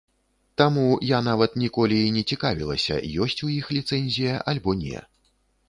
Таму, я нават ніколі і не цікавілася ёсць у іх ліцэнзія альбо не.